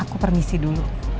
aku permisi dulu